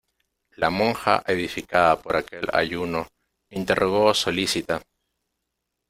la monja edificada por aquel ayuno, interrogó solícita: